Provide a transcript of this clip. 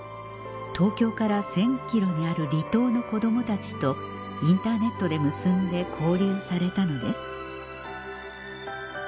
東京から１０００ｋｍにある離島の子供たちとインターネットで結んで交流されたのです